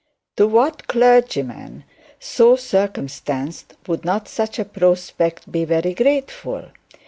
To what clergyman so circumstanced would not such a prospect be very grateful?